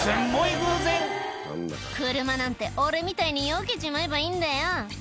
偶然「車なんて俺みたいによけちまえばいいんだよ」